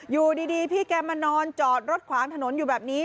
อยู่ดีพี่แกมานอนจอดรถขวางถนนอยู่แบบนี้